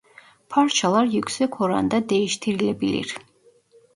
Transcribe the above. Parçalar yüksek oranda değiştirilebilir.